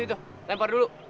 itu itu lempar dulu